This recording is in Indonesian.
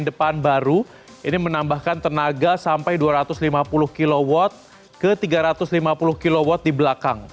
di depan baru ini menambahkan tenaga sampai dua ratus lima puluh kw ke tiga ratus lima puluh kw di belakang